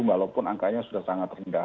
walaupun angkanya sudah sangat rendah